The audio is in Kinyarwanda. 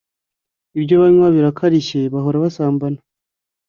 Ibyo banywa birakarishye bahora basambana